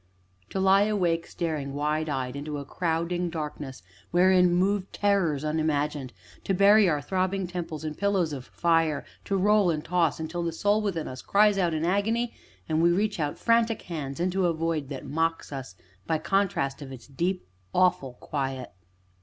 To lie awake, staring wide eyed into a crowding darkness wherein move terrors unimagined; to bury our throbbing temples in pillows of fire; to roll and toss until the soul within us cries out in agony, and we reach out frantic hands into a void that mocks us by the contrast of its deep and awful quiet.